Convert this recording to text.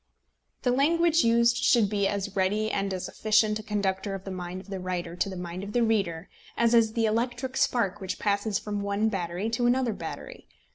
The language used should be as ready and as efficient a conductor of the mind of the writer to the mind of the reader as is the electric spark which passes from one battery to another battery.